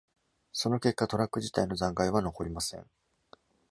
その結果、トラック自体の残骸は残りません。